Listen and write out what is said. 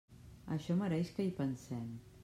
Això mereix que hi pensem.